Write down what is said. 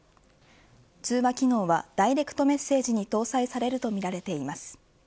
通話機能はダイレクトメッセージに搭載されるとみられています。